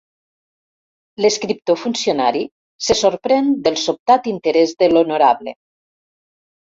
L'escriptor funcionari se sorprèn del sobtat interès de l'honorable.